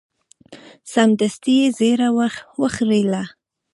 سمدستي یې ږیره وخریله.